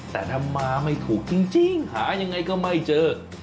แต่ถ้ามาไม่ถูกจริงหายังไงก็ไม่เจอ